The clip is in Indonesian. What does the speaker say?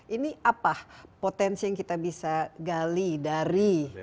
ini apa potensi yang kita bisa gali dari